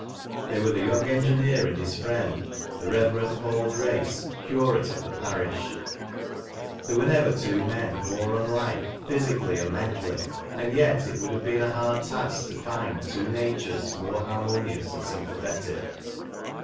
They were the young engineer and his friend the Reverend Paul Grace, curate of the parish. There were never two men more imlike, physically and mentally, and yet it would have been a hard task to find two natures more harmonious and sympathetic.